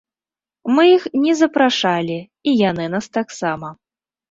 Мы іх не запрашалі, і яны нас таксама.